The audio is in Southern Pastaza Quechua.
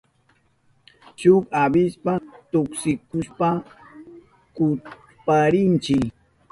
Shuk avispa tuksihushpan kuchparinchi.